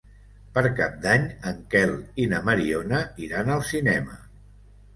Per Cap d'Any en Quel i na Mariona iran al cinema.